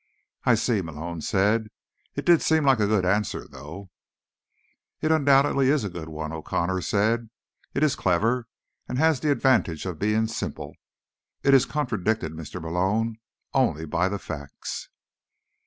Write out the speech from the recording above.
"I see," Malone said. "It did seem like a good answer, though." "It undoubtedly is a good one," O'Connor said. "It is clever and has the advantage of being simple. It is contradicted, Mr. Malone, only by the facts."